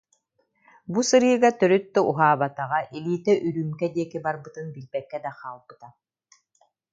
Бу сырыыга төрүт да уһаабатаҕа, илиитэ үрүүмкэ диэки барбытын билбэккэ да хаалбыта